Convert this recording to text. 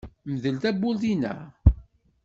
Mdel tawwurt-inna.